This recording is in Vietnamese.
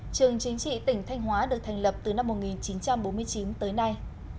trường chính trị tỉnh thanh hóa được thành lập từ năm một nghìn chín trăm bốn mươi chín tới nay